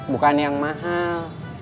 bukan yang mahal